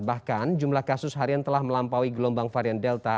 bahkan jumlah kasus harian telah melampaui gelombang varian delta